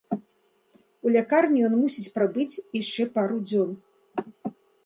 У лякарні ён мусіць прабыць яшчэ пару дзён.